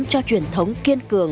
truyền thống kiên cường